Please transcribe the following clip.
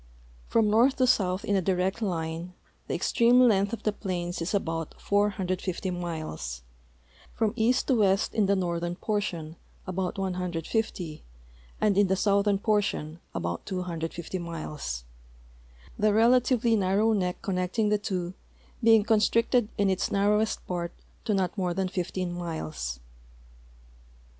From north to south in a direct line the extreme length of the plains is al)Out 450 miles, from east to west in the northern portion about 150 and in the southern j>ortion al)out 250 miles, the relatively narrow neck connecting the two being constricted in its narrowest part to not more than 15 miles.